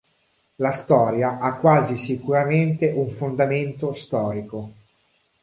La storia ha quasi sicuramente un fondamento storico.